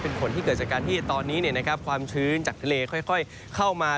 เป็นฝนที่เกิดจากการที่ตอนนี้ความชื้นจากทะเลค่อยเข้ามา